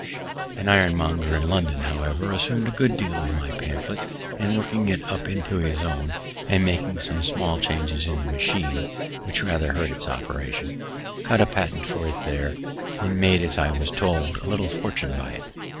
An ironmonger in London however, assuming a good deal of my pamphlet, and working it up into his own, and making some small changes in the machine, which rather hurt its operation, got a patent for it there, and made, as I was told, a little fortune by it.